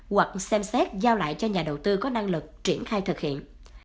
hoặc xem xét giao lại cho nhà đầu tư có năng lực triển khai thực hiện